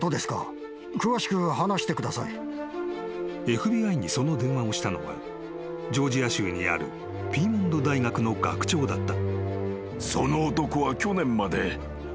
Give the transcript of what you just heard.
☎［ＦＢＩにその電話をしたのはジョージア州にあるピーモンド大学の学長だった］